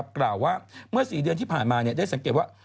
กล่าวว่าเมื่อ๔เดือนที่ผ่านมาได้สังเกตว่า